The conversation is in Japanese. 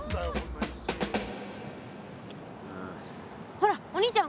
ほらお兄ちゃん